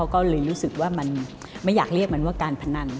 ก็เลยรู้สึกว่ามันไม่อยากเรียกมันว่าการพนัน